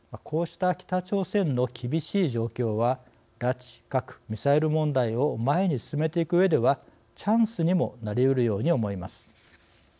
こうした北朝鮮の厳しい状況は拉致・核・ミサイル問題を前に進めていくうえではチャンスにもなりうるように思います。